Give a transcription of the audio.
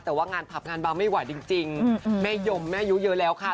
แต่ว่างานผับงานเบาไม่ไหวจริงแม่ยมแม่อายุเยอะแล้วค่ะ